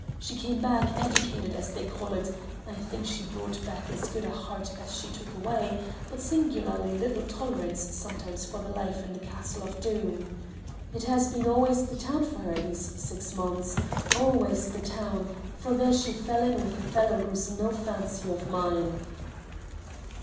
She came back, educated, as they call it I think she brought back as good a heart as she took away, but singularly little tolerance sometimes for the life in the castle of Doom. It has been always the town for her these six months, always the town, for there she fell in with a fellow who is no fancy of mine."